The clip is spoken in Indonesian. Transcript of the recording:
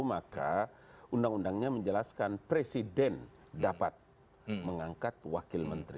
maka undang undangnya menjelaskan presiden dapat mengangkat wakil menteri